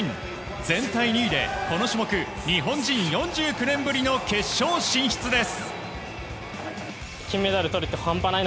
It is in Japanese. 全体２位で、この種目日本人４９年ぶりの決勝進出です。